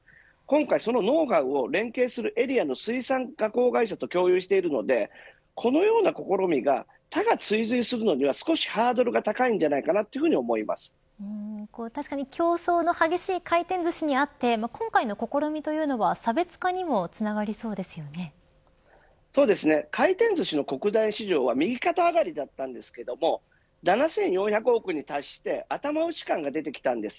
今回そのノウハウを連携するエリアが生産加工会社と協力しているのでこのような試みが他が追随するのは少しハードルが確かに競争の激しい回転ずしにあって今回の試みというのは差別化にも回転ずしの国内市場は右肩上がりだったんですけども７４００億に達して頭打ち感が出てきたんです。